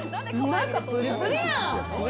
中、プリプリやん！